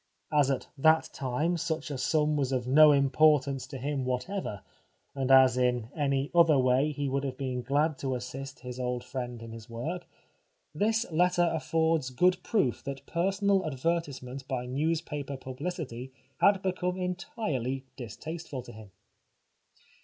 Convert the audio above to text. As at that time such a sum was of no importance to him whatever, and as in any other way he would have been glad to assist his old friend in his work, this letter affords good proof that personal advertisement 277 The Life of Oscar Wilde by newspaper publicity had become entirely distasteful to him.